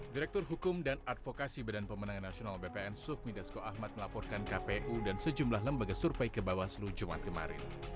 direktur hukum dan advokasi badan pemenangan nasional bpn sufmi dasko ahmad melaporkan kpu dan sejumlah lembaga survei ke bawaslu jumat kemarin